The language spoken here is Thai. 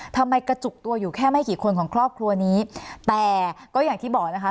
ทำไมกระจุกตัวอยู่แค่ไม่กี่คนของครอบครัวนี้แต่ก็อย่างที่บอกนะคะ